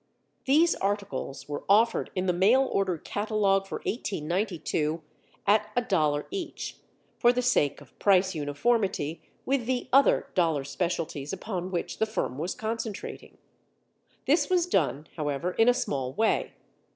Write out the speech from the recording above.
These articles were offered in the mail order catalog for 1892 at a dollar each, for the sake of price uniformity with the other dollar specialties upon which the firm was concentrating. This was done, however, in a small way.